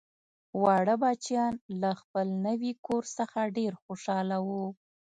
واړه بچیان له خپل نوي کور څخه ډیر خوشحاله وو